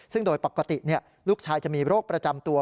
ซึ่งโดยปกติลูกชายจะมีโรคประจำตัว